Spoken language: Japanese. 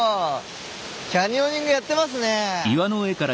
キャニオニングやってますね！